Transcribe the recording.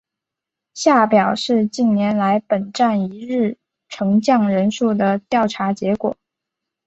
下表是近年来本站一日乘降人数的调查结果。